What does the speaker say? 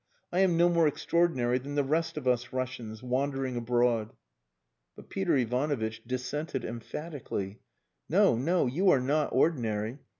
I am no more extraordinary than the rest of us Russians, wandering abroad." But Peter Ivanovitch dissented emphatically "No! No! You are not ordinary.